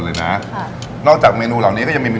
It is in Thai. นอกจากเมนูเขายังมีเมนูมากที่ร้านถูกมั้ย